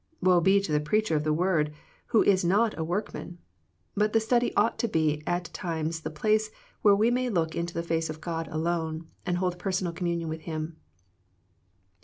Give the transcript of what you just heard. Woe be to the preacher of the Word who is not a workman. But the study ought to be at times the place where we may look into the face of God alone and hold personal communion with Him.